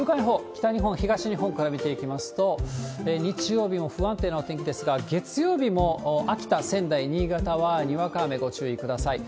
北日本、東日本から見ていきますと、日曜日も不安定なお天気ですが、月曜日も秋田、仙台、新潟はにわか雨、ご注意ください。